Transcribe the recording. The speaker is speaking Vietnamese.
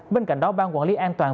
bên cạnh đó bang quản lý an toàn